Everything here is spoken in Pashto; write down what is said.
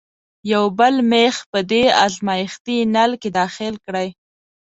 یو بل میخ په دې ازمیښتي نل کې داخل کړئ.